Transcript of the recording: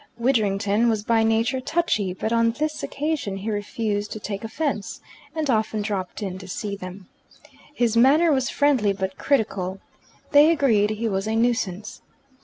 Widdrington was by nature touchy, but on this occasion he refused to take offence, and often dropped in to see them. His manner was friendly but critical. They agreed he was a nuisance.